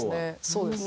そうですね。